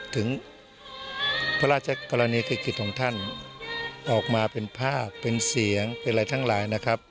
ถึงพระราชกรณีกิจของท่านออกมาเป็นภาพเป็นเสียงเป็นอะไรทั้งหลายนะครับ